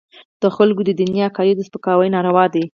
د خلکو د دیني عقایدو سپکاوي ناروا دی.